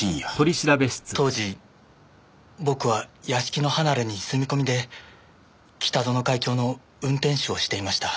当時僕は屋敷の離れに住み込みで北薗会長の運転手をしていました。